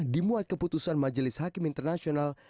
dimuat keputusan majelis hakim internasional